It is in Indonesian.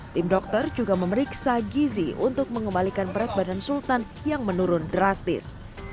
tim dokter juga memeriksa gizi untuk mengembalikan berat badan sultan yang menurun drastis